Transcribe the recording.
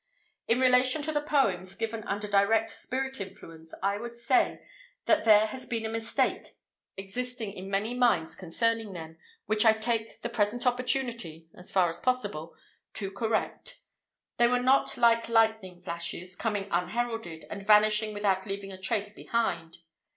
In relation to the poems given under direct spirit influence I would say, that there has been a mistake existing in many minds concerning them, which I take the present opportunity, as far as possible, to correct. They were not like lightning flashes, coming unheralded, and vanishing without leaving a trace behind.